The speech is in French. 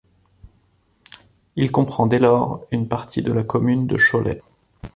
Il comprend dès lors une partie de la commune de Cholet.